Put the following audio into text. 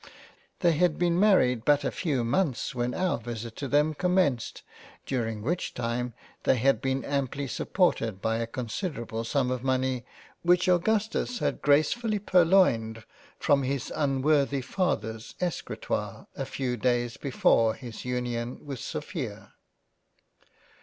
They had been married but a few months when our visit to them commenced during which time they had been amply supported by a considerable sum of money which Augustus had gracefully purloined from his unworthy father's Escri toire, a few days before his union with Sophia.